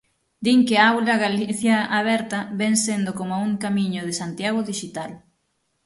Din que a Aula Galicia Aberta vén sendo coma un Camiño de Santiago dixital.